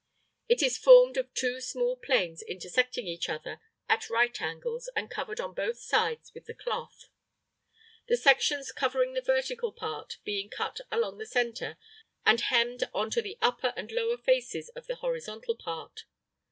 It is formed of two small planes intersecting each other at right angles and covered on both sides with the cloth, the sections covering the vertical part being cut along the centre and hemmed on to the upper and lower faces of the horizontal part.